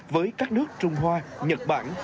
với các nước trung hoa nhật bản